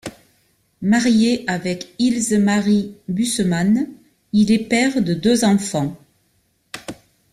Marié avec Ilse-Marie Busemann, il est père de deux enfants.